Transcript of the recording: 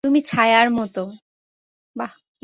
তুমি ছায়ার মতো।